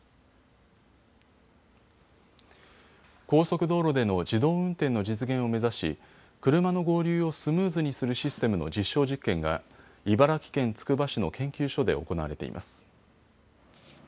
高速道路での自動運転の実現を目指し車の合流をスムーズにするシステムの実証実験が茨城県つくば市の研究所で行われています。